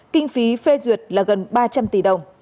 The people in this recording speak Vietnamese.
kinh phí phê duyệt là gần ba trăm linh tỷ đồng